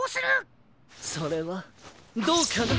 それはどうかな！